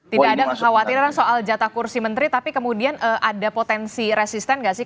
tidak ada kekhawatiran soal jatah kursi menteri tapi kemudian ada potensi resisten nggak sih